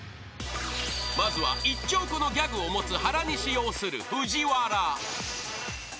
［まずは１兆個のギャグを持つ原西擁するＦＵＪＩＷＡＲＡ］